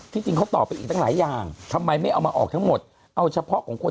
จริงเขาตอบไปอีกตั้งหลายอย่างทำไมไม่เอามาออกทั้งหมดเอาเฉพาะของคน